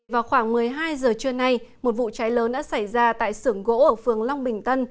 vào khoảng một mươi hai giờ trưa nay một vụ cháy lớn đã xảy ra tại sưởng gỗ ở phường long bình tân